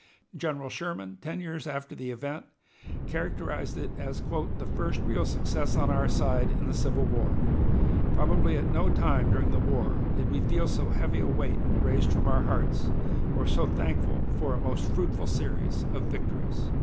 General Sherman, ten years after the event, characterized it as "the first real success on our side in the Civil War. Probably at no time during the war did we feel so heavy a weight raised from our hearts, or so thankful for a most fruitful series of victories."